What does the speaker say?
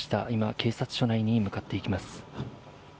警察署内に向かっていきます。